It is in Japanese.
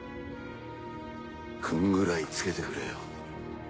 「君」ぐらいつけてくれよ。